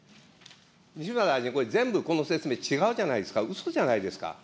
西村大臣、全部、この説明、違うじゃないですか、うそじゃないですか。